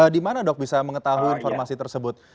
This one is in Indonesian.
di mana dok bisa mengetahui informasi tersebut